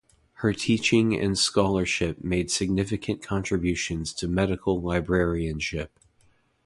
Her teaching and scholarship made significant contributions to medical librarianship.